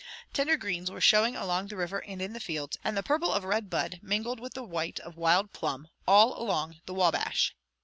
Tender greens were showing along the river and in the fields, and the purple of red bud mingled with the white of wild plum all along the Wabash.